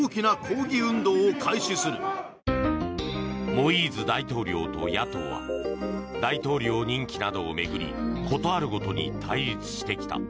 モイーズ大統領と野党は大統領任期などを巡りことあるごとに対立してきた。